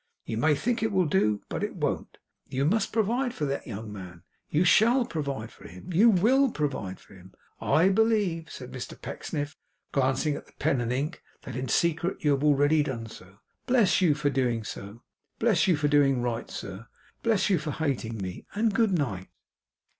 'You may think it will do, but it won't. You must provide for that young man; you shall provide for him; you WILL provide for him. I believe,' said Mr Pecksniff, glancing at the pen and ink, 'that in secret you have already done so. Bless you for doing so. Bless you for doing right, sir. Bless you for hating me. And good night!